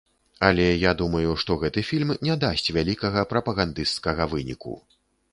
Але я думаю, што гэты фільм не дасць вялікага прапагандысцкага выніку.